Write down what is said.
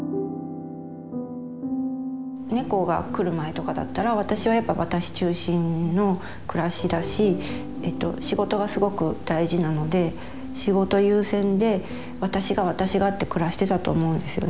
猫が来る前とかだったら私はやっぱ私中心の暮らしだし仕事がすごく大事なので仕事優先で私が私がって暮らしてたと思うんですよね。